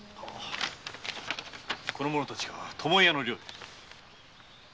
この者たちが巴屋の寮に。